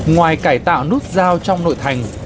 ngoài cải tạo nút giao trong nội thành